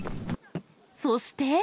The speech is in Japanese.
そして。